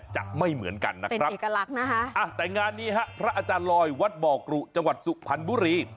จะไม่เหมือนกันนะครับเอกลักษณ์นะคะอ่ะแต่งานนี้ฮะพระอาจารย์ลอยวัดบ่อกรุจังหวัดสุพรรณบุรี